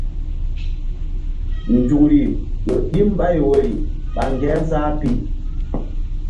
Nzukri ƴo ɗi mbay woyri ɓa Ŋgerzah pi.